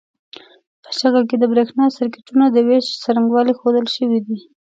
په شکل کې د برېښنا سرکټونو د وېش څرنګوالي ښودل شوي دي.